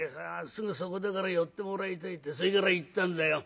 すぐそこだから寄ってもらいたいってそれから行ったんだよ。